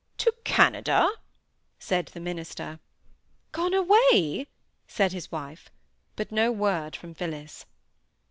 "To Canada!" said the minister. "Gone away!" said his wife. But no word from Phillis.